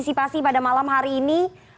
antisipasi pada malam hari ini